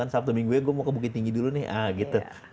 sabtu minggunya gue mau ke bukit tinggi dulu nih ah gitu